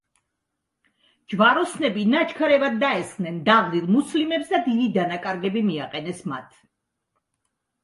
ჯვაროსნები ნაჩქარევად დაესხნენ დაღლილ მუსლიმებს და დიდი დანაკარგები მიაყენეს მათ.